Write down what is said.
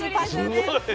すごい。